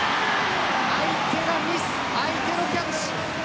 相手のミス、相手のキャッチ。